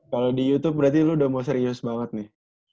kalau di youtube berarti lo udah mau serius banget nih